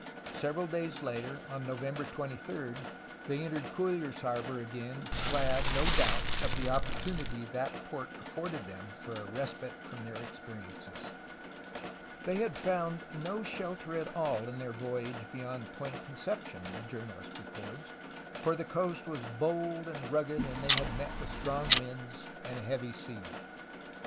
Several days later, on November 23, they entered Cuyler's Harbor again, glad, no doubt, of the opportunity that port afforded * "Snowy Mountains." ' "Cape Snow." 80 A HISTORY OF CALIFORNIA them for a respite from their experiences. They had found no shelter at all in their voyage beyond Point Conception, the journalist records, for the coast was bold and rugged, and they had met with strong winds and a heavy sea.